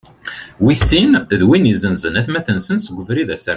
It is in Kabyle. Wis sin, d wid izenzen atmaten-nsen s ubrid asertan.